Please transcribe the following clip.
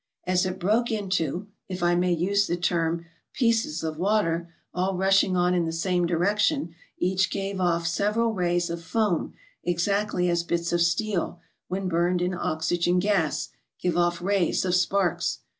As it broke into (if I may use the term) pieces of water, all rushing on in the same direction, each gave off several rays of foam exactly as bits of steel, when burned in oxygen gas, give off rays of sparks.